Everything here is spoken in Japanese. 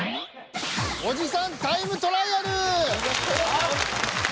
おじさんタイムトライアル。